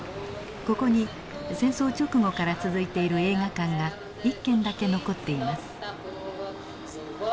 ここに戦争直後から続いている映画館が一軒だけ残っています。